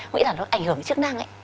nghĩ là nó ảnh hưởng đến chức năng ấy